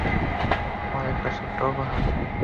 তোমার জন্য ছোট্ট একটা উপহার।